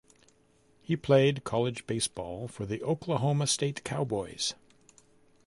He played college baseball for the Oklahoma State Cowboys.